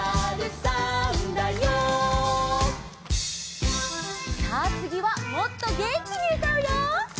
さあつぎはもっとげんきにうたうよ！